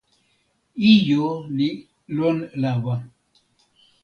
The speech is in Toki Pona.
ijo li lon lawa.